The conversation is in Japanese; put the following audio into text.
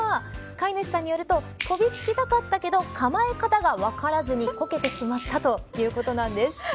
飼い主さんによると飛びつきたかったけど構え方が分からずにこけてしまったということなんです。